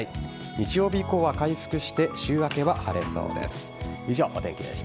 日曜日以降は回復して週明けは晴れそうです。